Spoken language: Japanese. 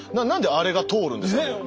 なんであれが通るんですかね。